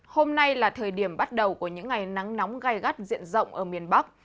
hôm nay là thời điểm bắt đầu của những ngày nắng nóng gai gắt diện rộng ở miền bắc